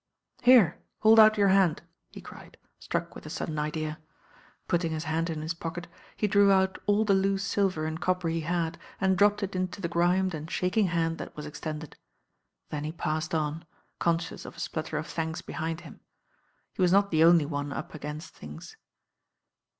"Here, hold out your hand," he cried, struck with a sudden idea. Putting his hand in his pocket he drew out all the loose silver and copper he had and dropped it into the grimed and shaking hand that was extended. Then he passed on, conscious of a splutter of thanks behind him. He was not the only one up against things.